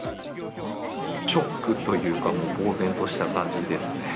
ショックというか、もうぼう然とした感じですね。